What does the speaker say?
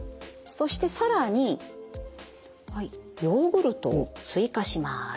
そして更にはいヨーグルトを追加します。